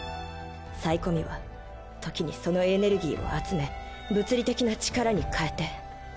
サイコミュは時にそのエネルギーを集め物理的な力に変えて。